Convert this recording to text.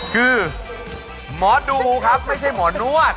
คือหมอดูครับไม่ใช่หมอนวด